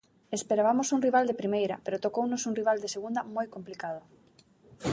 Esperabamos un rival de primeira, pero tocounos un rival de segunda moi complicado.